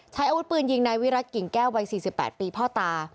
อาวุธปืนยิงนายวิรัติกิ่งแก้ววัย๔๘ปีพ่อตา